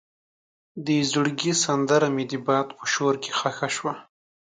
د زړګي سندره مې د باد په شور کې ښخ شوه.